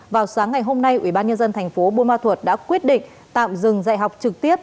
vào sáng ngày hôm nay ủy ban nhân dân thành phố buôn ma thuật đã quyết định tạm dừng dạy học trực tiếp